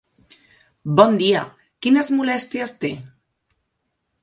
Bon dia, quines molèsties té?